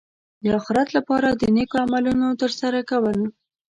د اخرت لپاره د نېکو عملونو ترسره کول.